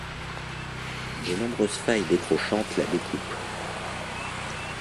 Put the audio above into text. De nombreuses failles décrochantes la découpent.